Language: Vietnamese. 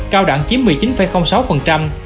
cao đẳng chiếm một mươi chín sáu